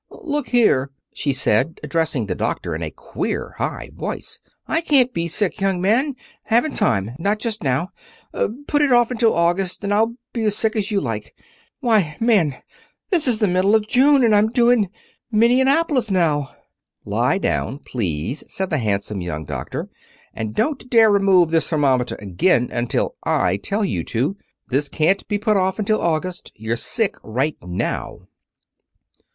"Look here!" she said, addressing the doctor in a high, queer voice. "I can't be sick, young man. Haven't time. Not just now. Put it off until August and I'll be as sick as you like. Why, man, this is the middle of June, and I'm due in Minneapolis now." "Lie down, please," said the handsome young doctor, "and don't dare remove this thermometer again until I tell you to. This can't be put off until August. You're sick right now."